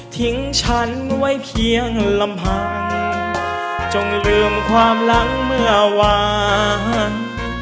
ทิ้งฉันไว้เพียงลำพังจงลืมความหลังเมื่อวาน